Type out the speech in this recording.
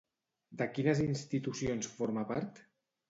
De quines institucions forma part?